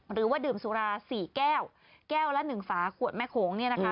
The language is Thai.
หรือว่าดื่มสุรา๔แก้วแก้วละ๑ฝาขวดแม่โขงเนี่ยนะคะ